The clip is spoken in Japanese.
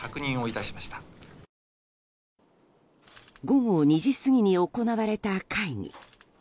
午後２時過ぎに行われた会議。